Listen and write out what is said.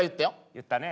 言ったね。